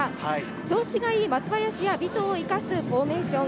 調子がいい松林や尾藤を生かすフォーメーション。